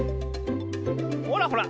ほらほら